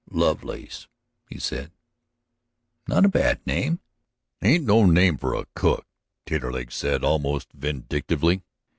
"Lovelace," he said. "Not a bad name." "It ain't no name for a cook," Taterleg said, almost vindictively.